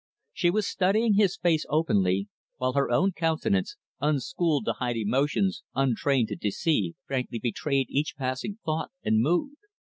She was studying his face openly, while her own countenance unschooled to hide emotions, untrained to deceive frankly betrayed each passing thought and mood.